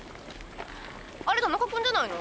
あれ田中君じゃないの？